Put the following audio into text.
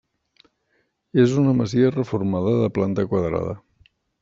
És una masia reformada de planta quadrada.